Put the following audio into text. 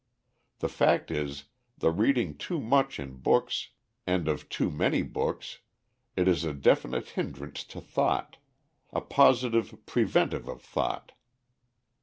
The fact is, the reading too much in books, and of too many books, is a definite hindrance to thought a positive preventive of thought.